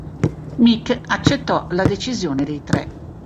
Mick accettò la decisione dei tre.